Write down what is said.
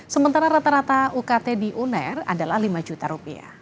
sementara rata rata ukt di uner adalah rp lima juta rupiah